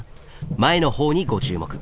前のほうにご注目。